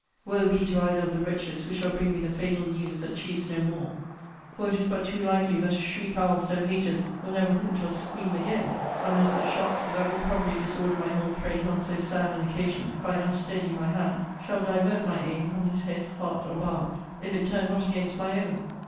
Woe be to either of the wretches who shall bring me the fatal news that she is no more! For it is but too likely that a shriek owl so hated will never hoot or scream again; unless the shock, that will probably disorder my whole frame on so sad an occasion, (by unsteadying my hand,) shall divert my aim from his head, heart, or bowels, if it turn not against my own.